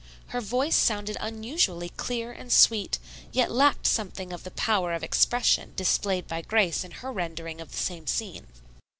Her voice sounded unusually clear and sweet, yet lacked something of the power of expression displayed by Grace in her rendering of the same scene.